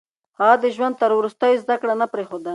هغه د ژوند تر وروستيو زده کړه نه پرېښوده.